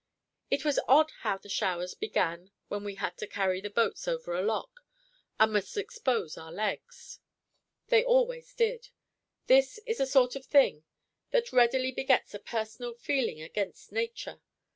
It was odd how the showers began when we had to carry the boats over a lock, and must expose our legs. They always did. This is a sort of thing that readily begets a personal feeling against nature.